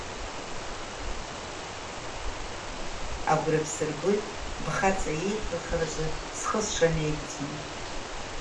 Агәра бсыргоит, бхаҵа иеиқәырхаразы схы сшамеигӡо!